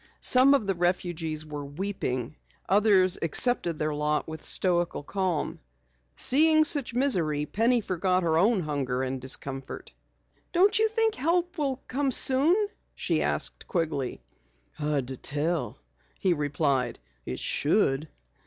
Some of the refugees were weeping; others accepted their lot with stoical calm. Seeing such misery, Penny forgot her own hunger and discomfort. "Don't you think help will come soon?" she asked Quigley. "Hard to tell," he replied. "It should."